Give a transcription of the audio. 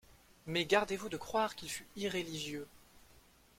Mais gardez-vous de croire qu'il fut irréligieux.